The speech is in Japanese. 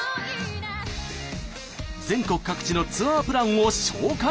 全国各地のツアープランを紹介しています。